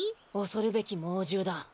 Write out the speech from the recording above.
おそるべきもうじゅうだ。